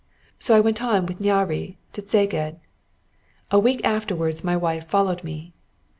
So I went on with Nyáry to Szeged. A week afterwards my wife followed me.